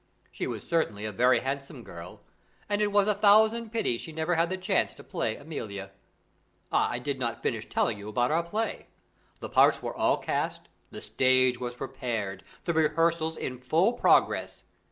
She was certainly a very handsome girl, and it was a thousand pities she never had the chance to play Amelia. I did not finish telling you about our play: the parts were all cast, the stage was prepared, the rehearsals in full progress.